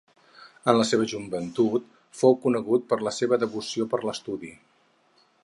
En la seva joventut, fou conegut per la seva devoció per l'estudi.